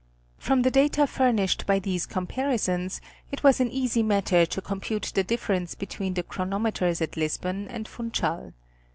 From the data furnished by these comparisons it was an easy matter to com pute the difference between the chronometers at Lisbon and. Funchal.